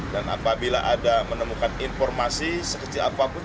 dan apabila ada menemukan informasi sekecil apapun